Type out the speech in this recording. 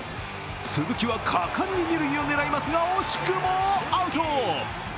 鈴木は果敢に二塁を狙いますが、惜しくもアウト。